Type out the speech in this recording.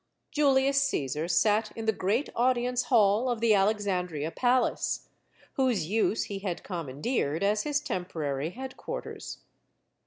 Julius Caesar sat in the great audience hall of the Alexandria palace, whose use he had commandeered as his temporary headquarters.